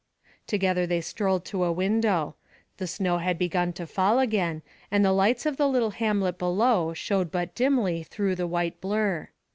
Together they strolled to a window. The snow had begun to fall again, and the lights of the little hamlet below showed but dimly through the white blur.